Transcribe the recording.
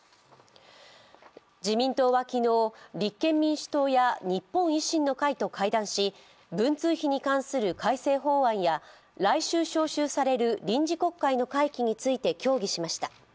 自民党は昨日、立憲民主党や日本維新の会と会談し文通費に関する改正法案や来週召集される臨時国会の会期について協議しました。